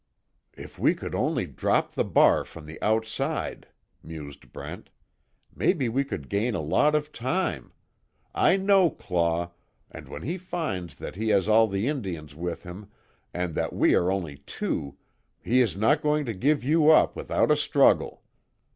"If we could only drop the bar from the outside," mused Brent, "Maybe we could gain a lot of time. I know Claw, and when he finds that he has all the Indians with him, and that we are only two, he is not going to give you up without a struggle.